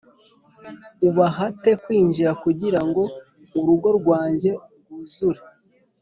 ubahate kwinjira kugira ngo urugo rwanjye rwuzure